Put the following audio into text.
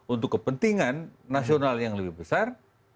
untuk kepentingan nasional yang lebih besar